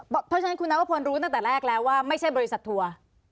เพราะฉะนั้นคุณนวพลรู้ตั้งแต่แรกแล้วว่าไม่ใช่บริษัททัวร์